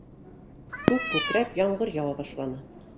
Күк күкрәп, ямғыр яуа башланы.